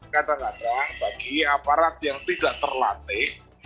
kadang kadang bagi aparat yang tidak terlatih